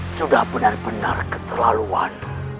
sudah benar benar keterlaluan